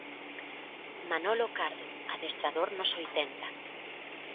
Manolo Cardo, adestrador nos oitenta.